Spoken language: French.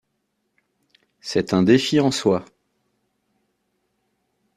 C'est un défi en soi.